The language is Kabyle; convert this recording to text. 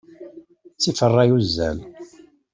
Ttif ṛṛay, uzzal.